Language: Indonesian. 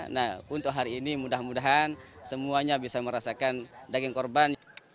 nah untuk hari ini mudah mudahan semuanya bisa merasakan daging kurban